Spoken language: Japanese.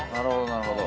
なるほど。